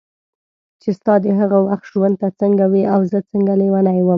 چې ستا د هغه وخت ژوند ته څنګه وې او زه څنګه لیونی وم.